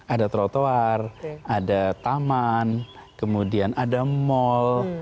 ada trotoar ada taman kemudian ada mal